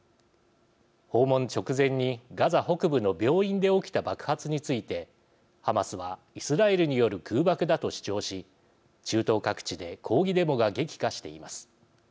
訪問直前にガザ北部の病院で起きた爆発について、ハマスはイスラエルによる空爆だと主張し中東各地で抗議デモが激化しています。